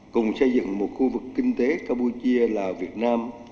cùng xây dựng một khu vực kinh tế campuchia lào việt nam